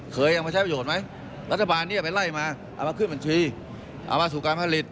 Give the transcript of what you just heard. เคยเอามาใช้ประโยชน์ไหมรัฐบาลเนี่ยไปไล่มาเอามาขึ้นบัญชีเอามาสู่การผลิต